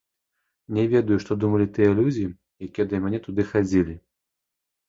Не ведаю, што думалі тыя людзі, якія да мяне туды хадзілі.